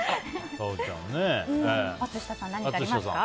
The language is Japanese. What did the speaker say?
松下さん、何かありますか？